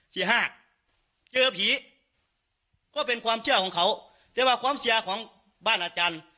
เจอผีก็เป็นความเชื่อของเขาแต่ว่าความเสียของบ้านอาจารย์